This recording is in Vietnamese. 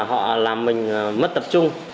họ làm mình mất tập trung